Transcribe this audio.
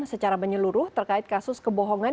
secara menyeluruh terkait kasus kebohongan